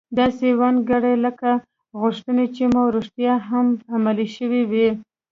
داسې وانګيرئ لکه غوښتنې چې مو رښتيا هم عملي شوې وي.